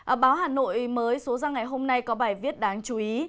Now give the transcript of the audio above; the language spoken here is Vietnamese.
ở báo hà nội mới số ra ngày hôm nay có bài viết đáng chú ý